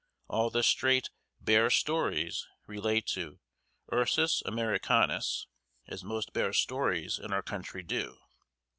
All the straight "bear stories" relate to Ursus americanus, as most bear stories in our country do.